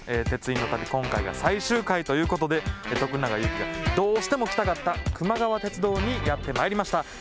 鉄印の旅、今回が最終回ということで、徳永ゆうきがどうしても来たかったくま川鉄道にやってまいりました。